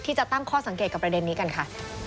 จะตั้งข้อสังเกตกับประเด็นนี้กันค่ะ